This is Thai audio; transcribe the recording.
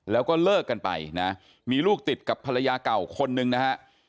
แล้วก็เลิกกันไปนะมีลูกติดกับภรรยาเก่าคนนึงนะฮะ